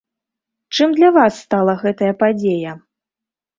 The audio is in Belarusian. Чым для вас стала гэтая падзея?